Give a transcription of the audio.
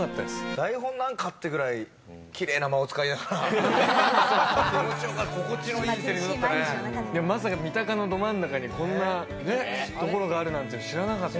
台本なんか？ってくらいキレイな間を使いながら、まさか三鷹のど真ん中に、こんなところがあるなんて知らなかった。